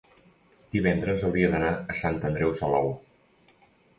divendres hauria d'anar a Sant Andreu Salou.